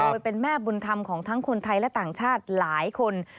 โดยเป็นแม่บุญธรรมของทั้งคนไทยและต่างชาติหลายคน